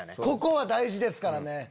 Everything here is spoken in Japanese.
ここは大事ですからね。